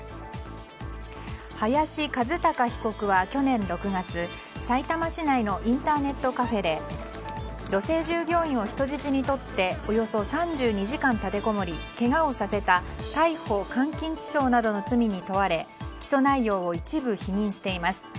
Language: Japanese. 林一貴被告は去年６月さいたま市内のインターネットカフェで女性従業員を人質にとっておよそ３２時間立てこもりけがをさせた逮捕監禁致傷などの罪に問われ起訴内容を一部否認しています。